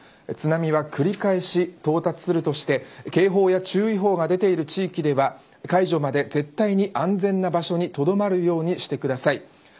津波は繰り返し到達するとして警報や注意報が出ている地域では解除されるまで絶対に安全な場所にとどまるようにしてください。